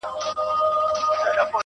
هره ورځ څو سطله اوبه اچوې~